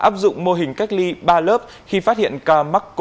chỉ đạo các địa phương